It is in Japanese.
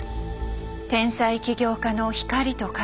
天才起業家の光と影。